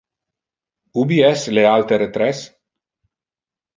Ubi es le altere tres?